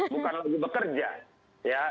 bukan lagi bekerja ya